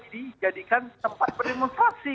dijadikan tempat peremonstrasi